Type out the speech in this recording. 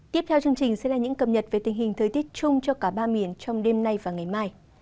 tiếp theo chương trình sẽ là những cập nhật về tình hình thời tiết chung cho cả ba miền trong đêm nay và ngày mai